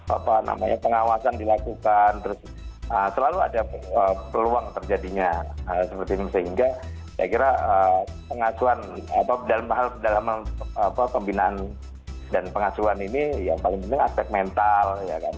apa namanya pengawasan dilakukan terus selalu ada peluang terjadinya seperti ini sehingga saya kira pengasuhan atau dalam hal dalam pembinaan dan pengasuhan ini yang paling penting aspek mental